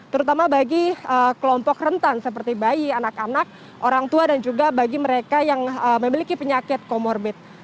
terutama bagi kelompok rentan seperti bayi anak anak orang tua dan juga bagi mereka yang memiliki penyakit komorbid